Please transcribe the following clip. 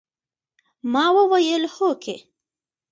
ما وويل هوکې.